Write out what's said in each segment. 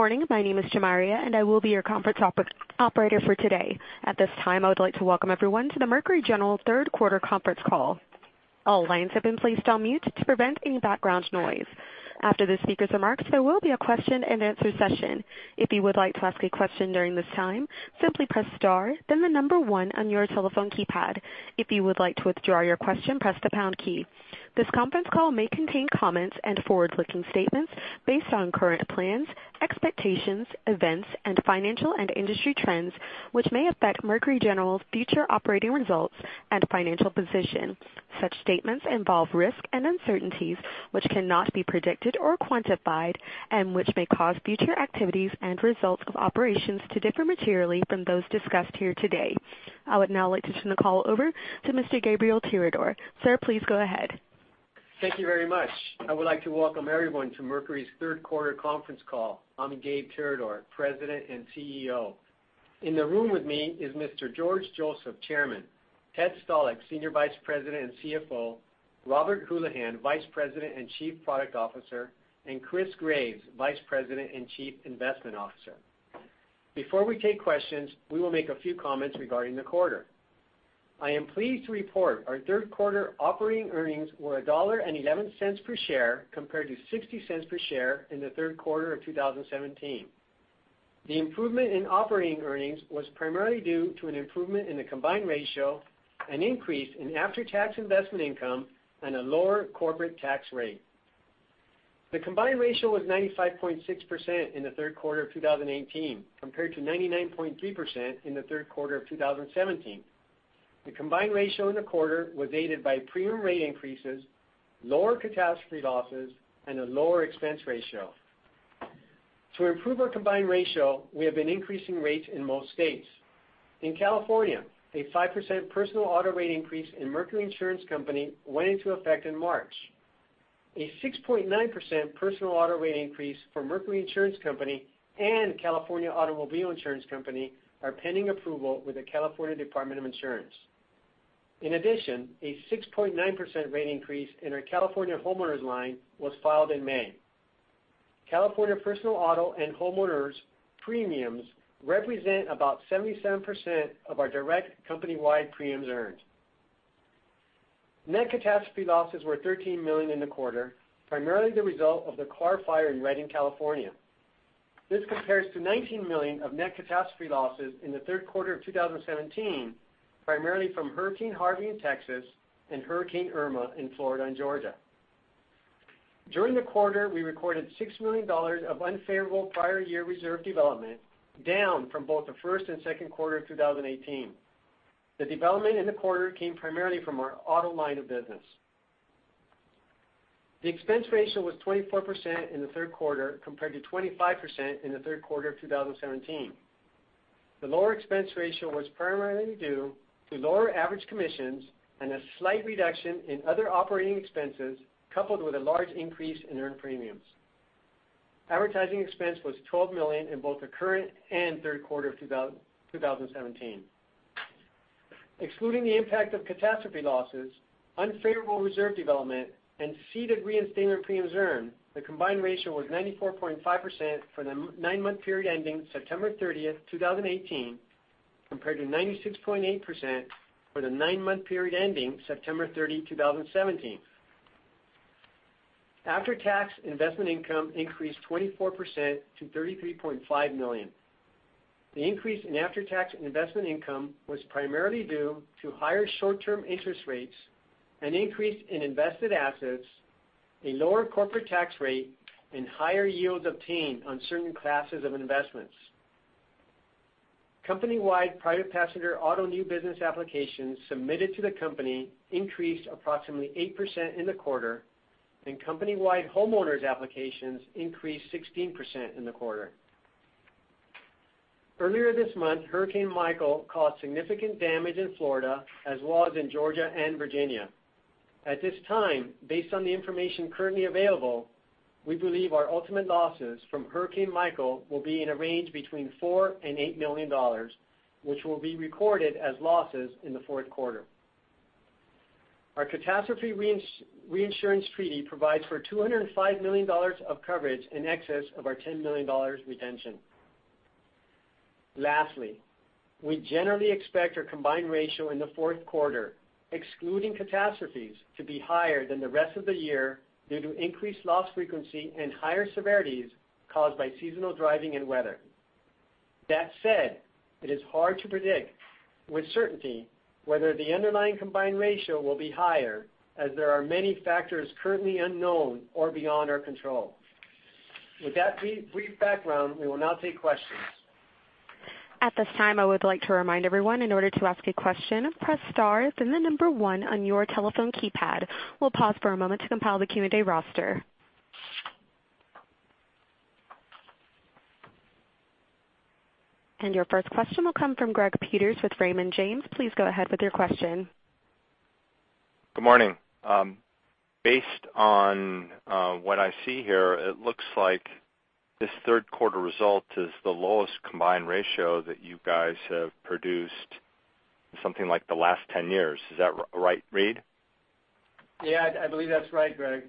Good morning. My name is Jamaria, and I will be your conference operator for today. At this time, I would like to welcome everyone to the Mercury General third quarter conference call. All lines have been placed on mute to prevent any background noise. After the speakers' remarks, there will be a question and answer session. If you would like to ask a question during this time, simply press star, then the number one on your telephone keypad. If you would like to withdraw your question, press the pound key. This conference call may contain comments and forward-looking statements based on current plans, expectations, events, and financial and industry trends, which may affect Mercury General's future operating results and financial position. Such statements involve risk and uncertainties which cannot be predicted or quantified, which may cause future activities and results of operations to differ materially from those discussed here today. I would now like to turn the call over to Mr. Gabriel Tirador. Sir, please go ahead. Thank you very much. I would like to welcome everyone to Mercury's third quarter conference call. I'm Gabe Tirador, President and CEO. In the room with me is Mr. George Joseph, Chairman, Ted Stalick, Senior Vice President and CFO, Robert Houlihan, Vice President and Chief Product Officer, and Chris Graves, Vice President and Chief Investment Officer. Before we take questions, we will make a few comments regarding the quarter. I am pleased to report our third quarter operating earnings were $1.11 per share, compared to $0.60 per share in the third quarter of 2017. The improvement in operating earnings was primarily due to an improvement in the combined ratio, an increase in after-tax investment income, and a lower corporate tax rate. The combined ratio was 95.6% in the third quarter of 2018, compared to 99.3% in the third quarter of 2017. The combined ratio in the quarter was aided by premium rate increases, lower catastrophe losses, and a lower expense ratio. To improve our combined ratio, we have been increasing rates in most states. In California, a 5% personal auto rate increase in Mercury Insurance Company went into effect in March. A 6.9% personal auto rate increase for Mercury Insurance Company and California Automobile Insurance Company are pending approval with the California Department of Insurance. In addition, a 6.9% rate increase in our California homeowners line was filed in May. California personal auto and homeowners premiums represent about 77% of our direct company-wide premiums earned. Net catastrophe losses were $13 million in the quarter, primarily the result of the Carr Fire in Redding, California. This compares to $19 million of net catastrophe losses in the third quarter of 2017, primarily from Hurricane Harvey in Texas and Hurricane Irma in Florida and Georgia. During the quarter, we recorded $6 million of unfavorable prior year reserve development, down from both the first and second quarter of 2018. The development in the quarter came primarily from our auto line of business. The expense ratio was 24% in the third quarter, compared to 25% in the third quarter of 2017. The lower expense ratio was primarily due to lower average commissions and a slight reduction in other operating expenses, coupled with a large increase in earned premiums. Advertising expense was $12 million in both the current and third quarter of 2017. Excluding the impact of catastrophe losses, unfavorable reserve development, and ceded reinsured premiums earned, the combined ratio was 94.5% for the nine-month period ending September 30th, 2018, compared to 96.8% for the nine-month period ending September 30, 2017. After-tax investment income increased 24% to $33.5 million. The increase in after-tax investment income was primarily due to higher short-term interest rates, an increase in invested assets, a lower corporate tax rate, and higher yields obtained on certain classes of investments. Company-wide private passenger auto new business applications submitted to the company increased approximately 8% in the quarter, and company-wide homeowners applications increased 16% in the quarter. Earlier this month, Hurricane Michael caused significant damage in Florida, as well as in Georgia and Virginia. At this time, based on the information currently available, we believe our ultimate losses from Hurricane Michael will be in a range between $4 million-$8 million, which will be recorded as losses in the fourth quarter. Our catastrophe reinsurance treaty provides for $205 million of coverage in excess of our $10 million retention. Lastly, we generally expect our combined ratio in the fourth quarter, excluding catastrophes, to be higher than the rest of the year due to increased loss frequency and higher severities caused by seasonal driving and weather. That said, it is hard to predict with certainty whether the underlying combined ratio will be higher, as there are many factors currently unknown or beyond our control. With that brief background, we will now take questions. At this time, I would like to remind everyone, in order to ask a question, press star, then the number one on your telephone keypad. We'll pause for a moment to compile the Q&A roster. Your first question will come from Greg Peters with Raymond James. Please go ahead with your question. Good morning. Based on what I see here, it looks like this third quarter result is the lowest combined ratio that you guys have produced in something like the last 10 years. Is that a right read? Yeah, I believe that's right, Greg.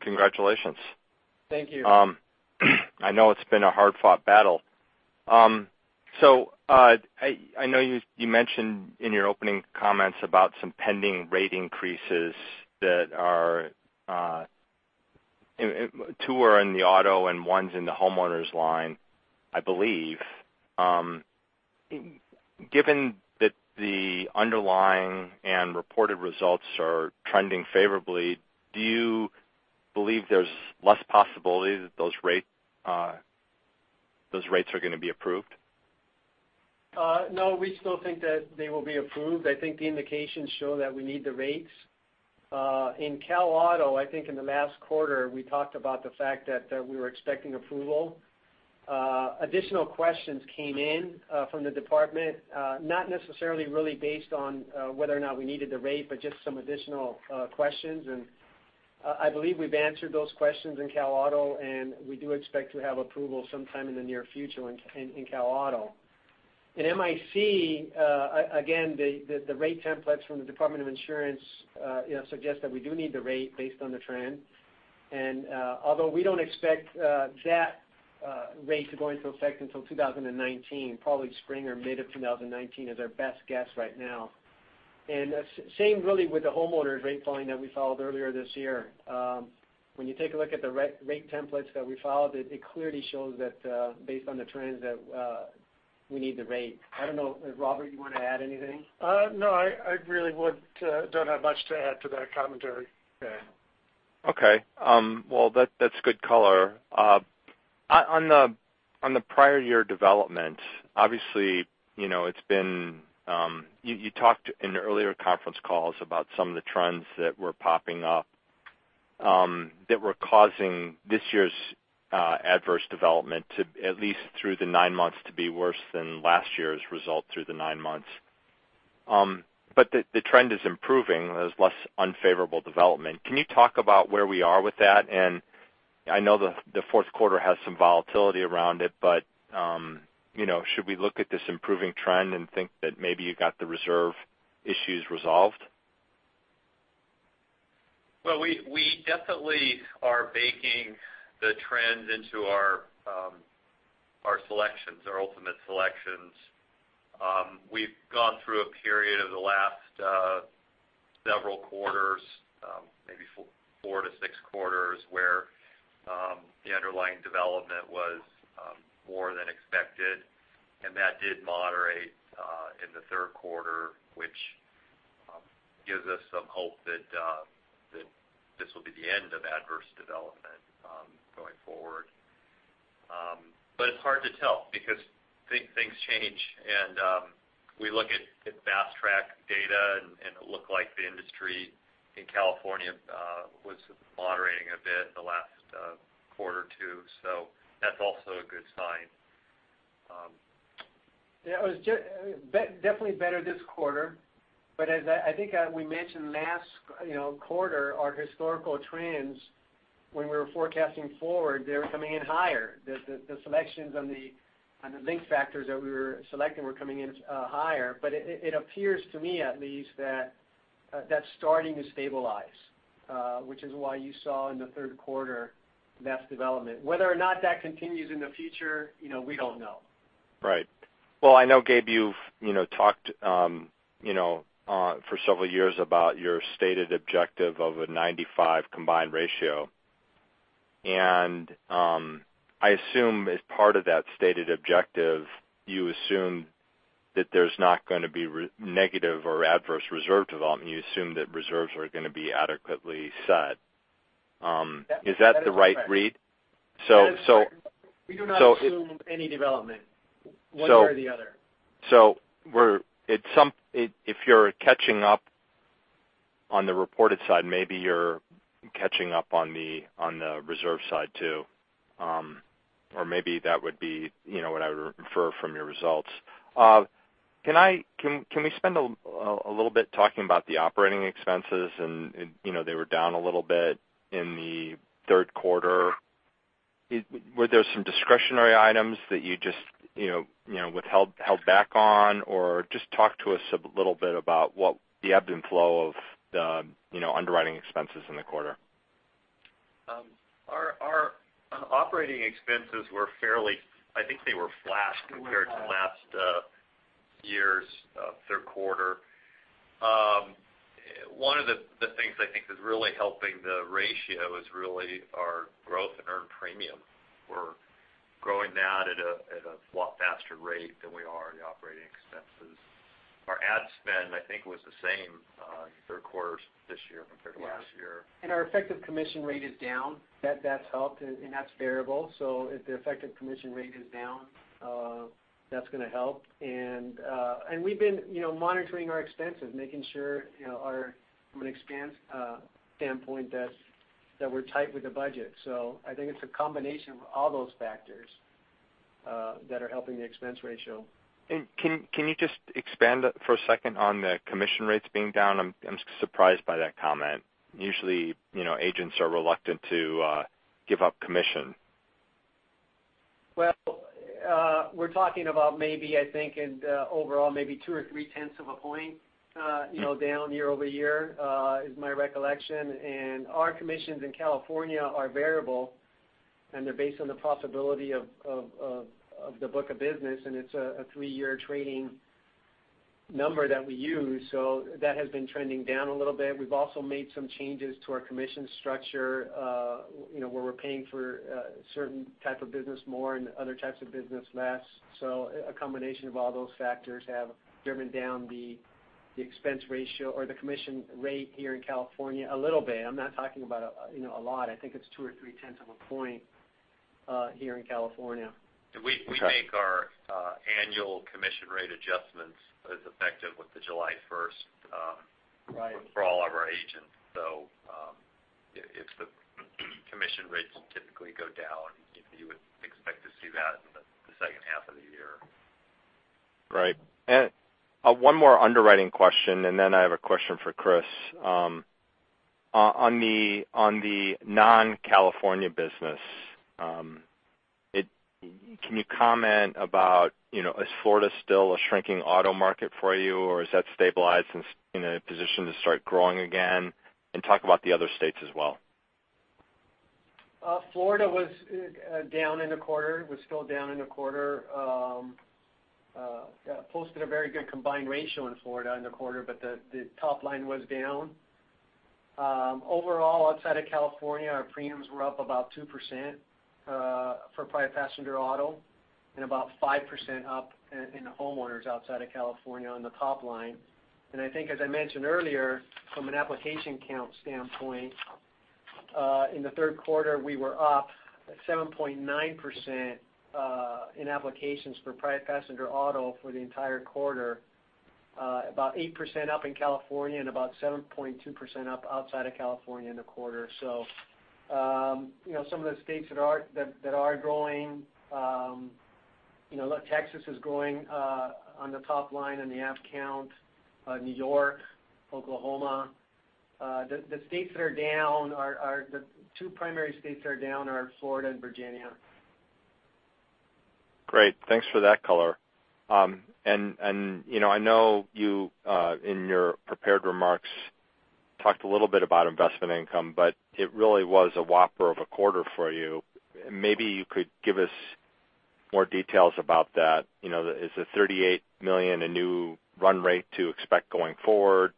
Congratulations. Thank you. I know it's been a hard-fought battle. I know you mentioned in your opening comments about some pending rate increases, two are in the auto and one's in the homeowners line, I believe. Given that the underlying and reported results are trending favorably, do you believe there's less possibility that those rates are going to be approved? No, we still think that they will be approved. I think the indications show that we need the rates. In Cal Auto, I think in the last quarter, we talked about the fact that we were expecting approval. Additional questions came in from the department, not necessarily really based on whether or not we needed the rate, but just some additional questions, and I believe we've answered those questions in Cal Auto, and we do expect to have approval sometime in the near future in Cal Auto. In MIC, again, the rate templates from the Department of Insurance suggest that we do need the rate based on the trend. Although we don't expect that rate to go into effect until 2019, probably spring or mid of 2019 is our best guess right now. Same really with the homeowners rate filing that we followed earlier this year. When you take a look at the rate templates that we followed, it clearly shows that based on the trends that we need the rate. I don't know, Robert, you want to add anything? No, I really don't have much to add to that commentary. Okay. Okay. Well, that's good color. On the prior year development, obviously, you talked in earlier conference calls about some of the trends that were popping up that were causing this year's adverse development to, at least through the nine months, to be worse than last year's result through the nine months. The trend is improving. There's less unfavorable development. Can you talk about where we are with that? I know the fourth quarter has some volatility around it, but should we look at this improving trend and think that maybe you got the reserve issues resolved? Well, we definitely are baking the trends into our selections, our ultimate selections. We've gone through a period of the last several quarters, maybe four to six quarters, where the underlying development was more than expected, and that did moderate in the third quarter, which gives us some hope that this will be the end of adverse development going forward. It's hard to tell because things change, and we look at FastTrack data, and it looked like the industry in California was moderating a bit the last quarter or two. That's also a good sign. Yeah, it was definitely better this quarter. As I think we mentioned last quarter, our historical trends, when we were forecasting forward, they were coming in higher. The selections on the link factors that we were selecting were coming in higher. It appears to me, at least, that that's starting to stabilize, which is why you saw in the third quarter less development. Whether or not that continues in the future, we don't know. Right. Well, I know, Gabe, you've talked for several years about your stated objective of a 95 combined ratio, and I assume as part of that stated objective, you assume that there's not going to be negative or adverse reserve development. You assume that reserves are going to be adequately set. Yeah. That is correct. Is that the right read? That is correct. We do not assume any development one way or the other. If you're catching up on the reported side, maybe you're catching up on the reserve side, too. Maybe that would be what I would infer from your results. Can we spend a little bit talking about the operating expenses? They were down a little bit in the third quarter. Were there some discretionary items that you just withheld back on, or just talk to us a little bit about what the ebb and flow of the underwriting expenses in the quarter. Our operating expenses were fairly, I think they were flat compared to last year's third quarter. One of the things I think is really helping the ratio is really our growth in earned premium. We're growing that at a lot faster rate than we are the operating expenses. Our ad spend, I think, was the same third quarter this year compared to last year. Yeah. Our effective commission rate is down. That's helped, and that's variable. If the effective commission rate is down, that's going to help. We've been monitoring our expenses, making sure from an expense standpoint that we're tight with the budget. I think it's a combination of all those factors that are helping the expense ratio. Can you just expand for a second on the commission rates being down? I'm surprised by that comment. Usually, agents are reluctant to give up commission. Well, we're talking about maybe, I think, in overall maybe two or three tenths of a point down year-over-year, is my recollection. Our commissions in California are variable, and they're based on the possibility of the book of business, and it's a three-year trading number that we use. That has been trending down a little bit. We've also made some changes to our commission structure, where we're paying for a certain type of business more and other types of business less. A combination of all those factors have driven down the expense ratio or the commission rate here in California a little bit. I'm not talking about a lot. I think it's two or three tenths of a point, here in California. We make our annual commission rate adjustments as effective with the July 1st. Right for all of our agents. If the commission rates typically go down, you would expect to see that in the second half of the year. Right. One more underwriting question, then I have a question for Chris. On the non-California business, can you comment about, is Florida still a shrinking auto market for you, or is that stabilized and in a position to start growing again? Talk about the other states as well. Florida was down in the quarter, was still down in the quarter. Posted a very good combined ratio in Florida in the quarter, but the top line was down. Overall, outside of California, our premiums were up about 2% for private passenger auto and about 5% up in homeowners outside of California on the top line. I think as I mentioned earlier, from an application count standpoint, in the third quarter, we were up 7.9% in applications for private passenger auto for the entire quarter. About 8% up in California and about 7.2% up outside of California in the quarter. Some of the states that are growing, Texas is growing on the top line in the app count, New York, Oklahoma. The two primary states that are down are Florida and Virginia. Great. Thanks for that color. I know you, in your prepared remarks, talked a little bit about investment income, but it really was a whopper of a quarter for you. Maybe you could give us more details about that. Is the $38 million a new run rate to expect going forward,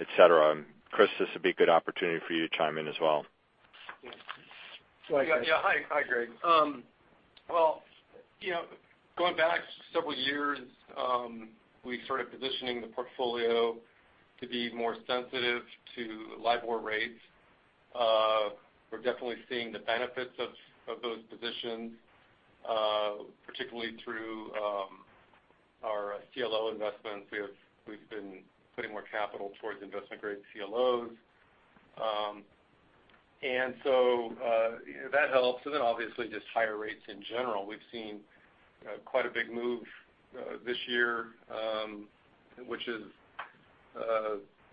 et cetera? Chris, this would be a good opportunity for you to chime in as well. Hi, Greg. Going back several years, we started positioning the portfolio to be more sensitive to LIBOR rates. We're definitely seeing the benefits of those positions, particularly through our CLO investments. We've been putting more capital towards investment-grade CLOs. That helps, and then obviously just higher rates in general. We've seen quite a big move this year, which is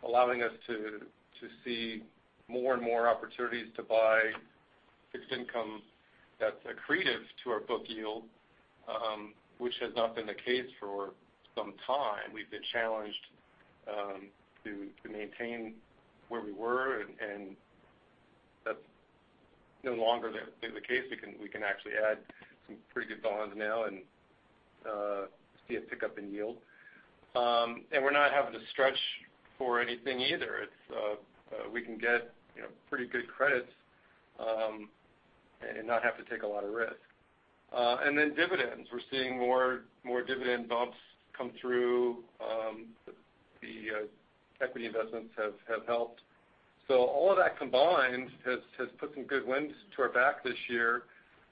allowing us to see more and more opportunities to buy fixed income that's accretive to our book yield, which has not been the case for some time. We've been challenged to maintain where we were, and that's no longer the case. We can actually add some pretty good bonds now and see a pickup in yield. We're not having to stretch for anything either. We can get pretty good credits, and not have to take a lot of risk. Dividends. We're seeing more dividend bumps come through. The equity investments have helped. All of that combined has put some good winds to our back this year.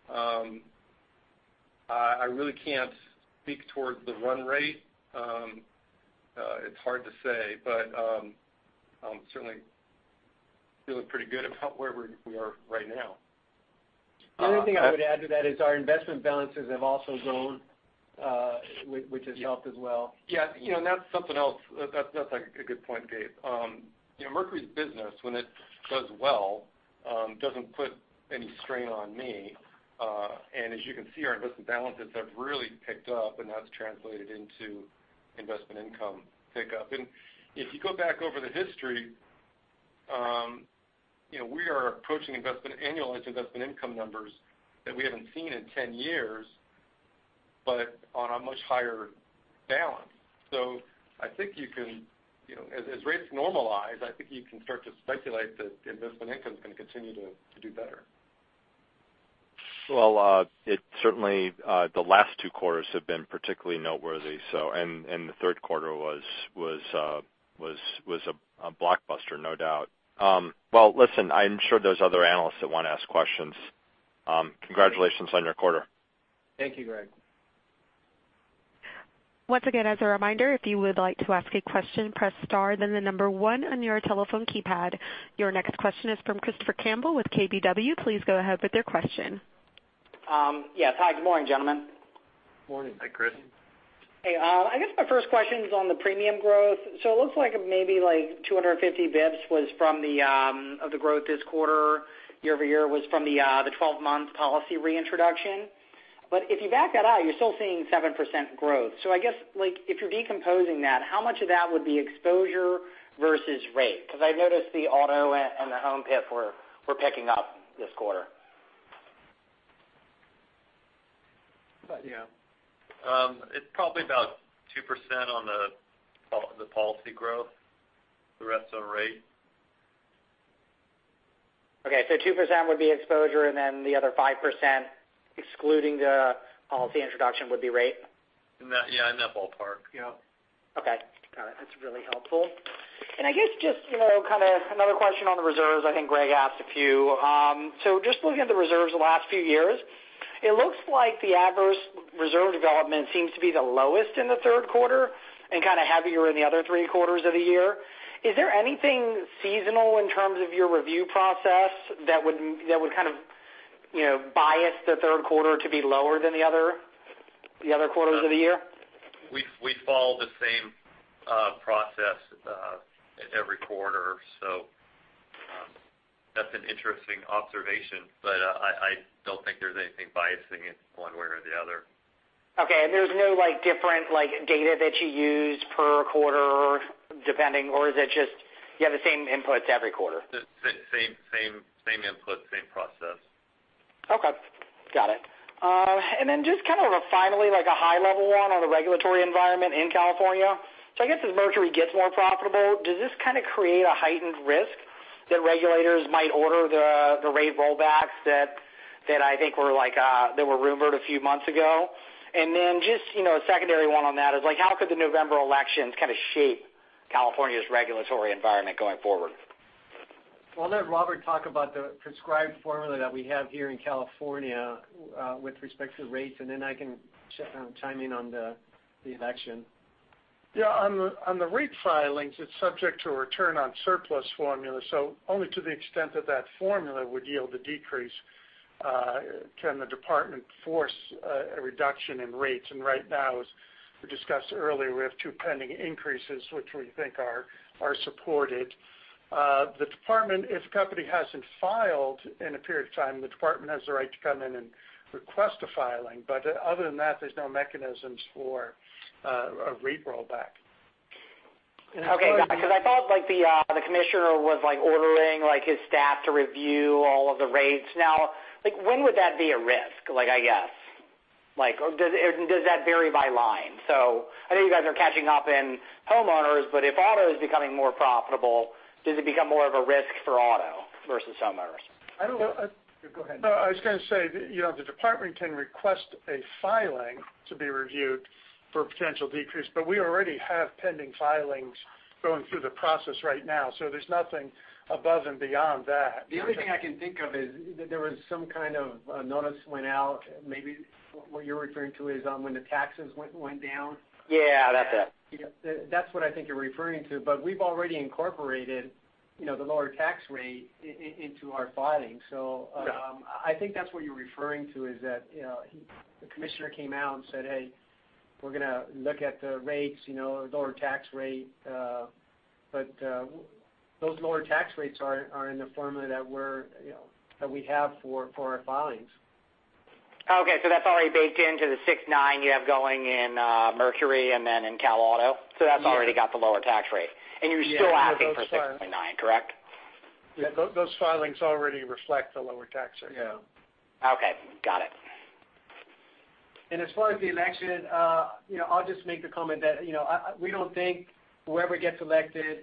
I really can't speak towards the run rate. It's hard to say, but I'm certainly feeling pretty good about where we are right now. The only thing I would add to that is our investment balances have also grown, which has helped as well. That's something else. That's a good point, Gabe. Mercury's business, when it does well, doesn't put any strain on me. As you can see, our investment balances have really picked up, and that's translated into investment income pickup. If you go back over the history, we are approaching annualized investment income numbers that we haven't seen in 10 years, but on a much higher balance. As rates normalize, I think you can start to speculate that investment income's going to continue to do better. Well, certainly the last two quarters have been particularly noteworthy. The third quarter was a blockbuster, no doubt. Well, listen, I'm sure there's other analysts that want to ask questions. Congratulations on your quarter. Thank you, Greg. Once again, as a reminder, if you would like to ask a question, press star then the number one on your telephone keypad. Your next question is from Christopher Campbell with KBW. Please go ahead with your question. Yes. Hi. Good morning, gentlemen. Morning. Hi, Chris. Hey. I guess my first question's on the premium growth. It looks like maybe like 250 basis points of the growth this quarter year-over-year was from the 12-month policy reintroduction. If you back that out, you're still seeing 7% growth. I guess, if you're decomposing that, how much of that would be exposure versus rate? I noticed the auto and the home PIF were picking up this quarter. Yeah. It's probably about 2% on the policy growth. The rest are rate. 2% would be exposure, the other 5%, excluding the policy introduction, would be rate? Yeah, in that ballpark. Yep. Okay. Got it. That's really helpful. I guess just, kind of another question on the reserves. I think Greg asked a few. Just looking at the reserves the last few years, it looks like the adverse reserve development seems to be the lowest in the third quarter and kind of heavier in the other three quarters of the year. Is there anything seasonal in terms of your review process that would kind of bias the third quarter to be lower than the other quarters of the year? We follow the same process every quarter. That's an interesting observation, but I don't think there's anything biasing it one way or the other. Okay. There's no different data that you use per quarter depending, or is it just you have the same inputs every quarter? Same input, same process. Okay. Got it. Just kind of finally, like a high-level one on the regulatory environment in California. I guess as Mercury gets more profitable, does this kind of create a heightened risk that regulators might order the rate rollbacks that I think were rumored a few months ago? Just, a secondary one on that is, how could the November elections kind of shape California's regulatory environment going forward? Well, I'll let Robert Houlihan talk about the prescribed formula that we have here in California with respect to rates, then I can chime in on the election. Yeah, on the rate filings, it's subject to a return on surplus formula. Only to the extent that that formula would yield a decrease can the department force a reduction in rates. Right now, as we discussed earlier, we have two pending increases, which we think are supported. The department, if the company hasn't filed in a period of time, the department has the right to come in and request a filing. Other than that, there's no mechanisms for a rate rollback. I thought the commissioner was ordering his staff to review all of the rates. When would that be a risk, I guess? Does that vary by line? I know you guys are catching up in homeowners, but if auto is becoming more profitable, does it become more of a risk for auto versus homeowners? I don't- Go ahead. No, I was going to say, the department can request a filing to be reviewed for potential decrease. We already have pending filings going through the process right now. There's nothing above and beyond that. The only thing I can think of is that there was some kind of notice went out. Maybe what you're referring to is when the taxes went down. Yeah, that's it. That's what I think you're referring to. We've already incorporated the lower tax rate into our filing. Right I think that's what you're referring to, is that the commissioner came out and said, "Hey, we're going to look at the rates, lower tax rate." Those lower tax rates are in the formula that we have for our filings. Okay, that's already baked into the 6.9 you have going in Mercury General and then in California Automobile Insurance Company. That's already got the lower tax rate. Yeah. You're still asking for 6.9, correct? Yeah, those filings already reflect the lower tax rate. Yeah. Okay, got it. As far as the election, I'll just make the comment that we don't think whoever gets elected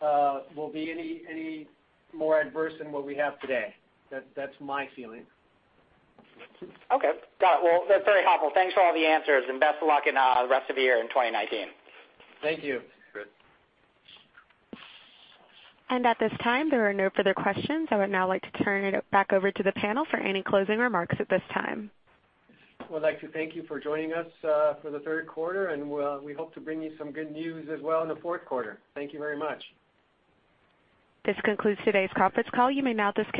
will be any more adverse than what we have today. That's my feeling. Okay, got it. Well, that's very helpful. Thanks for all the answers and best of luck in the rest of the year in 2019. Thank you. Thanks. At this time, there are no further questions. I would now like to turn it back over to the panel for any closing remarks at this time. We'd like to thank you for joining us for the third quarter, and we hope to bring you some good news as well in the fourth quarter. Thank you very much. This concludes today's conference call. You may now disconnect.